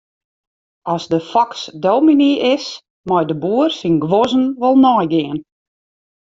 As de foks dominy is, mei de boer syn guozzen wol neigean.